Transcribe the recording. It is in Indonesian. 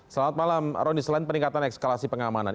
selamat malam roni selain peningkatan ekskalasi pengamanan